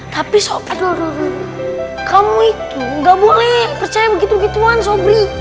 tapi sobri kamu itu nggak boleh percaya begitu begituan sobri